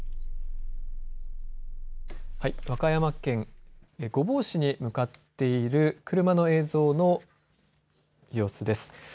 和歌山県御坊市に向かっている車の映像の様子です。